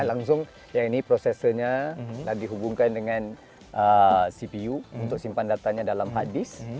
langsung yang ini prosesornya dihubungkan dengan cpu untuk simpan datanya dalam hard disk